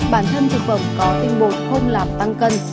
bản thân thực phẩm có tinh bột không làm tăng cân